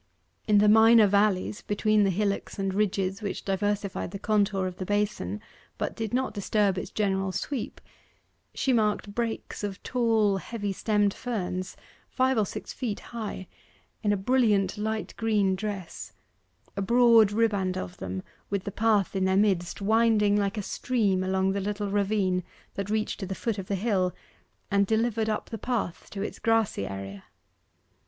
In the minor valleys, between the hillocks and ridges which diversified the contour of the basin, but did not disturb its general sweep, she marked brakes of tall, heavy stemmed ferns, five or six feet high, in a brilliant light green dress a broad riband of them with the path in their midst winding like a stream along the little ravine that reached to the foot of the hill, and delivered up the path to its grassy area.